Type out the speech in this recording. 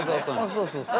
そうそうそう。